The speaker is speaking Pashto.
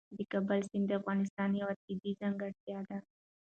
د کابل سیند د افغانستان یوه طبیعي ځانګړتیا ده.